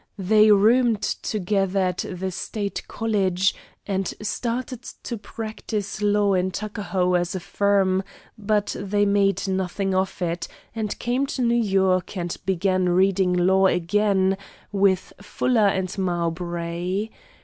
They roomed together at the State college and started to practise law in Tuckahoe as a firm, but they made nothing of it, and came on to New York and began reading law again with Fuller & Mowbray.